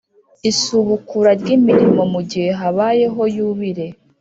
isubukura ry imirimo mu gihe habayeho yubire